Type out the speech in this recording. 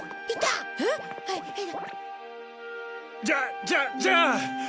じゃじゃじゃあ！